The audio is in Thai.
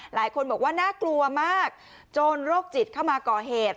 หลายคนบอกว่าน่ากลัวมากโจรโรคจิตเข้ามาก่อเหตุ